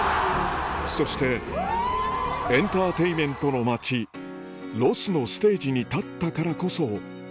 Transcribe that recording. そしてエンターテインメントの街ロスのステージに立ったからこそある思いが芽生えた